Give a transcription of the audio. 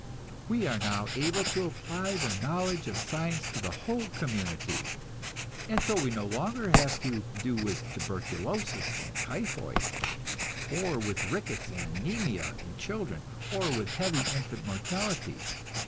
We are now able to apply the knowledge of science to the whole community, and so we no longer have to do with tuberculosis and typhoid, or with rickets and anæmia in children, or with heavy infant mortality.